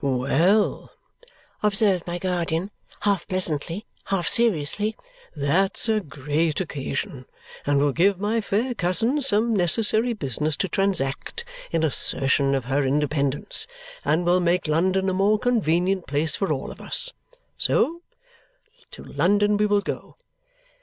"Well," observed my guardian, half pleasantly, half seriously, "that's a great occasion and will give my fair cousin some necessary business to transact in assertion of her independence, and will make London a more convenient place for all of us. So to London we will go.